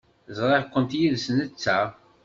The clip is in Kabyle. Ẓriɣ-kent yid-s netta.